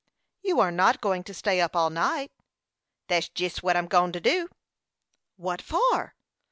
"You are not going to stay up all night." "That's jest what I'm go'n to do." "What for?"